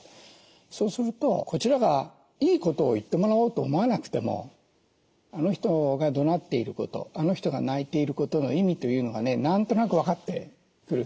そうするとこちらがいいことを言ってもらおうと思わなくてもあの人がどなっていることあの人が泣いていることの意味というのがね何となく分かってくる。